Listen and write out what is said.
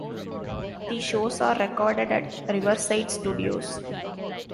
The shows are recorded at Riverside Studios.